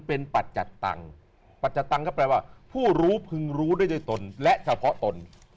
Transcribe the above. เป็นปัจจัดตังค์ปัจจัดตังก็แปลว่าผู้รู้พึงรู้ด้วยตนและเฉพาะตน